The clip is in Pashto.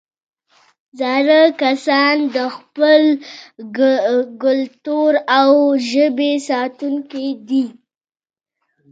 زاړه کسان د خپل کلتور او ژبې ساتونکي دي